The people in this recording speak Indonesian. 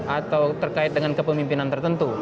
atau terkait dengan kepemimpinan tertentu